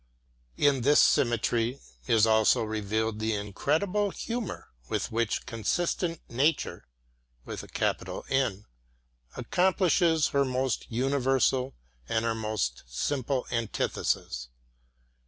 In this symmetry is also revealed the incredible humor with which consistent Nature accomplishes her most universal and her most simple antithesis.